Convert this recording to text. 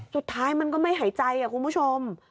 สุดท้ายมันก็ไม่หายใจคุณผู้ชม